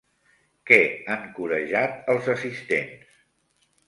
Què han corejat els assistents?